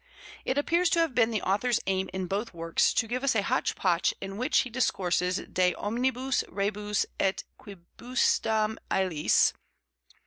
It appears to have been the author's aim in both works to give us a hotch potch in which he discourses de omnibus rebus et quibusdam aliis.